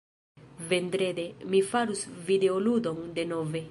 Vendrede... mi faros videoludon, denove.